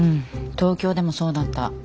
東京でもそうだった。